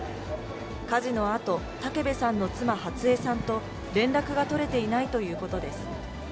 火事のあと、武部さんの妻、初枝さんと連絡が取れていないということです。